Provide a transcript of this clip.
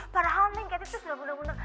padahal neng kety tuh bener bener